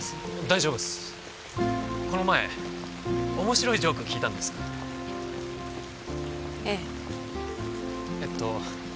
大丈夫っすこの前面白いジョーク聞いたんですえええっと